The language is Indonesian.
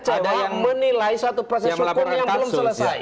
ada yang menilai suatu proses hukum yang belum selesai